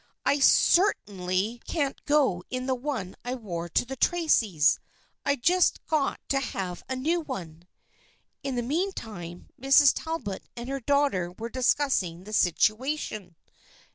I certainly 196 THE FRIENDSHIP OF ANNE can't go in the one I wore to the Tracys\ I've just got to have a new one." In the meantime Mrs. Talbot and her daughter were discussing the situation.